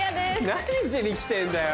何しに来てんだよ。